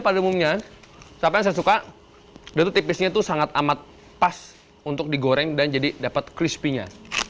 pada umumnya siapa yang saya suka itu tipisnya itu sangat amat pas untuk digoreng dan jadi dapat crispy nya